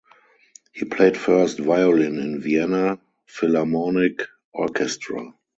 He played first violin in Vienna Philharmonic Orchestra.